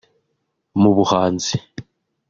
Mu buhanzi